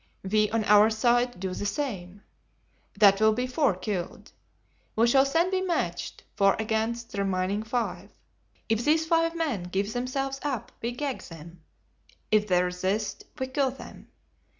We, on our side, do the same. That will be four killed. We shall then be matched, four against the remaining five. If these five men give themselves up we gag them; if they resist, we kill them.